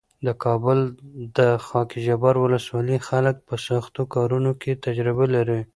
د کابل د خاکجبار ولسوالۍ خلک په سختو کارونو کې تجربه لري.